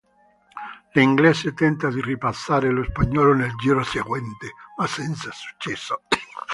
L'inglese tenta di ripassare lo spagnolo nel giro seguente, ma senza successo.